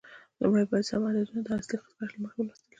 لومړی باید سم عددونه د اصلي خط کش له مخې لوستل شي.